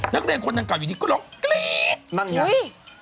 นักเรียนคนนั้นเก่าอยู่นี่ก็ลองกรี๊ด